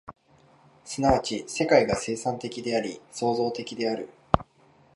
即ち世界が生産的であり、創造的である。